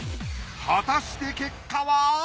果たして結果は！？